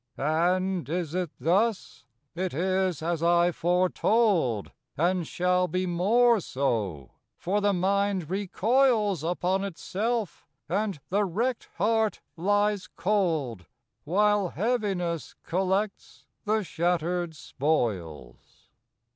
And is it thus? it is as I foretold, And shall be more so; for the mind recoils Upon itself, and the wrecked heart lies cold, While Heaviness collects the shattered spoils.